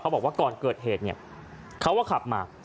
บอกว่าก่อนเกิดเหตุเนี่ยเขาก็ขับมา